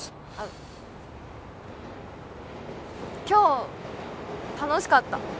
今日楽しかった。